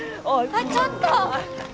あっちょっと！